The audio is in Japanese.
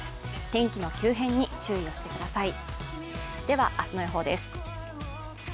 天気の急変に注意をしてください。